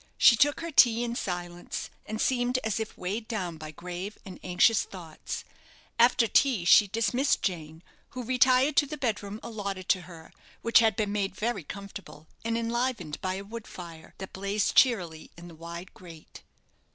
She took her tea in silence, and seemed as if weighed down by grave and anxious thoughts. After tea she dismissed Jane, who retired to the bed room allotted to her, which had been made very comfortable, and enlivened by a wood fire, that blazed cheerily in the wide grate.